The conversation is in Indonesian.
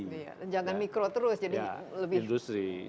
jangan mikro terus jadi lebih berkembang